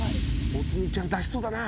もつ煮ちゃん出しそうだな。